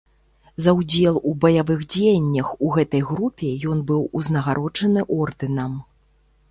За ўдзел у баявых дзеяннях у гэтай групе ён быў узнагароджаны ордэнам.